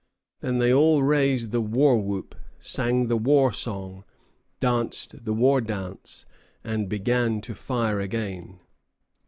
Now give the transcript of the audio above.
Then they all raised the war whoop, sang the war song, danced the war dance, and began to fire again.